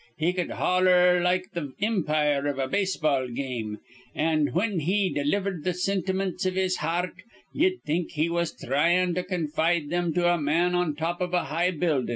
He cud holler like th' impire iv a base ball game; an', whin he delivered th' sintimints iv his hear rt, ye'd think he was thryin' to confide thim to a man on top iv a high buildin'.